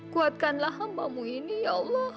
kuatkanlah hambamu ini ya allah